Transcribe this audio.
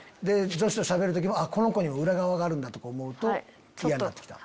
女子としゃべる時もこの子には裏側があるんだ！とか思うと嫌になって来た？